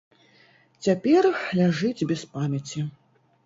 Цяпер ляжыць без памяці.